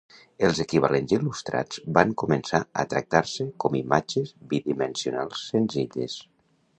Els equivalents il·lustrats van començar a tractar-se com imatges bidimensionals senzilles.